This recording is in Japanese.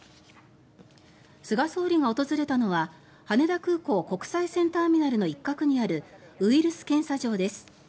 菅総理が訪れたのは羽田空港国際線ターミナルの一角にあるウイルス検査場です。